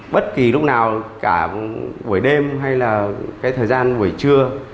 bất kỳ lúc nào cả buổi đêm hay là cái thời gian buổi trưa